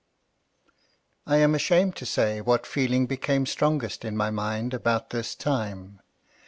I AM ashamed to say what feeling become strongest in my mind about this time.